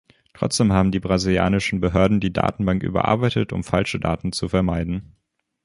Trotzdem haben die brasilianischen Behörden die Datenbank überarbeitet, um falsche Daten zu vermeiden.